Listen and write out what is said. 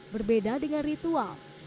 berbeda dengan ritual